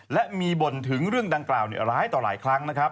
และมีบ่นถึงเรื่องดังกล่าวร้ายต่อหลายครั้งนะครับ